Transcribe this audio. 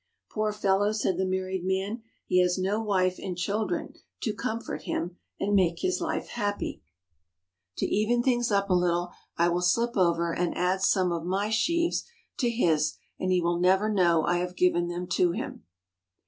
"Poor fellow," said the married man, "he has no wife and children to comfort him and make his life happy. 59 THE HOLY LAND AND SYRIA To even things up a little I will slip over and add some of my sheaves to his and he will never know I have given them to him."